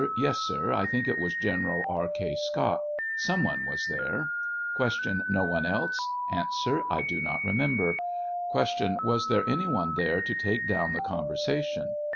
Yes, sir; I think it was General E.K.Scott; some one was there. , Q. No one else ? A. I do not remember. Q. Was there any one there to take down the con versation